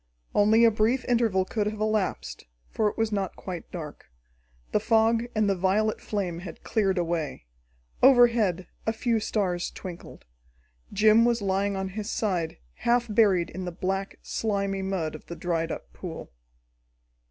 Only a brief interval could have elapsed, for it was not quite dark. The fog and the violet flame had cleared away. Overhead a few stars twinkled. Jim was lying on his side, half buried in the black, slimy mud of the dried up pool.